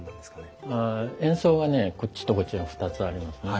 円相がねこっちとこっちに２つありますね。